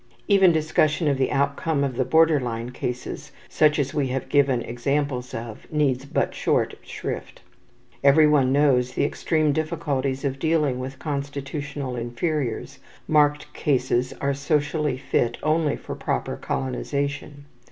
Even discussion of the outcome of the border line cases, such as we have given examples of, needs but short shrift. Everyone knows the extreme difficulties of dealing with constitutional inferiors; marked cases are socially fit only for proper colonization.